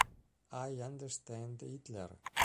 I understand Hitler.